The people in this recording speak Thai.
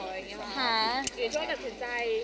อยู่ในช่วงกัดสนใจ